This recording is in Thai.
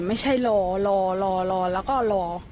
ไม่ใช่รอรอแล้วก็รอ